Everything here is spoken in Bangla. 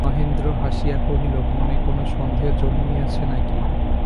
মহেন্দ্র হাসিয়া কহিল, মনে কোনো সন্দেহ জন্মিয়াছে না কি।